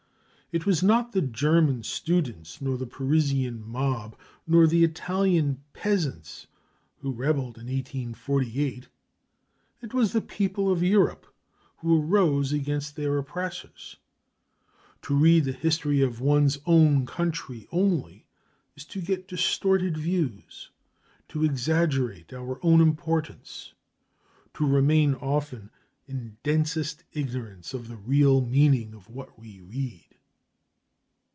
It was not the German students, nor the Parisian mob, nor the Italian peasants who rebelled in 1848; it was the "people of Europe" who arose against their oppressors. To read the history of one's own country only is to get distorted views, to exaggerate our own importance, to remain often in densest ignorance of the real meaning of what we read.